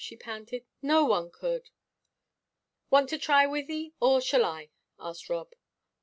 she panted. "No one could." "Want to try, Wythie, or shall I?" asked Rob.